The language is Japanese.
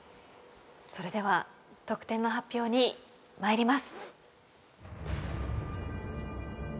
それでは得点の発表に参ります。